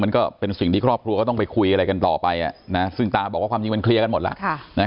ก็เป็นสิ่งที่ครอบครัวก็ต้องไปคุยอะไรกันต่อไปซึ่งตาบอกว่าความจริงมันเคลียร์กันหมดแล้ว